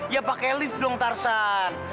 ya pakai lift dong tarsan